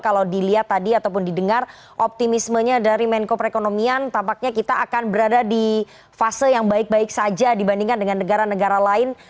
kalau dilihat tadi ataupun didengar optimismenya dari menko perekonomian tampaknya kita akan berada di fase yang baik baik saja dibandingkan dengan negara negara lain